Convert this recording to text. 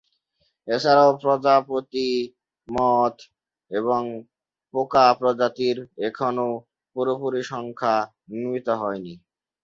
এছাড়াও প্রজাপতি, মথ এবং পোকা প্রজাতির এখনো পুরোপুরি সংখ্যা নির্ণীত হয়নি।